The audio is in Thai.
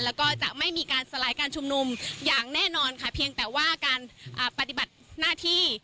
แล้วก็จะไม่มีการสลายการชุมนุมอย่างแน่นอนค่ะเพียงแต่ว่าการปฏิบัติหน้าที่